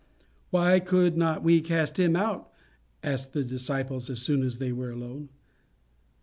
"Why could not we cast him out?" asked his disciples as soon as they were alone.